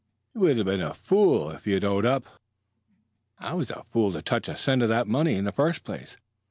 "You would have been a fool if you'd owned up." "I was a fool to touch a cent of that money, in the first place.